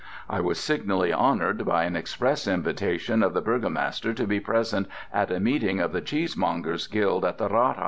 I was signally honoured by an express invitation of the burgomaster to be present at a meeting of the Cheesemongers' Guild at the Rathaus.